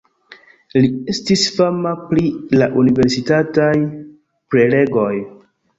Li estis fama pri la universitataj prelegoj.